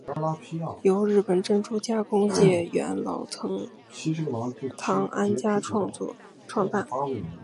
由日本珍珠加工界元老藤堂安家创办。